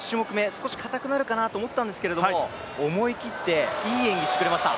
少し固くなるかなと思ったんですけれども、思い切って、いい演技をしてくれました。